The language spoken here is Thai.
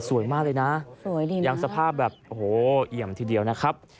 สวยมากเลยนะยังสภาพแบบโอ้โหเอี่ยมทีเดียวนะครับ